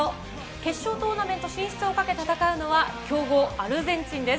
決勝トーナメント進出をかけ戦うのは、強豪アルゼンチンです。